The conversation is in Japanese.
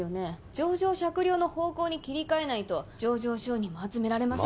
情状酌量の方向に切り替えないと情状証人も集められませんよ